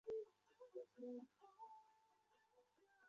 现任校长高海燕。